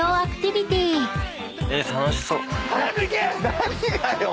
何がよ？